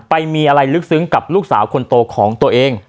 ไปมีอะไรลึกซึ้งกับลูกสาวคนโตของตัวเอง